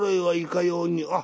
はいかように？」。